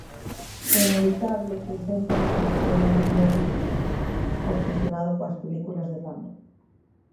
"O inevitable preséntanos a historia dun lobo solitario", obsesionado coas películas de Rambo.